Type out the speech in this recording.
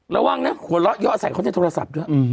แล้วว่างเนี้ยหัวเลาะเยาะแสงเขาใช้โทรศัพท์ด้วยอือฮือ